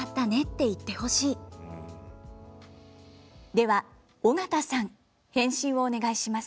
では尾形さん返信をお願いします。